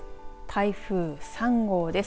台風３号です。